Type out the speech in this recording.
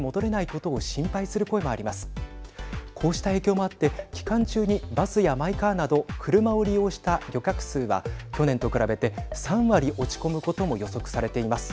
こうした影響もあって期間中に、バスやマイカーなど車を利用した旅客数は去年と比べて３割落ち込むことも予測されています。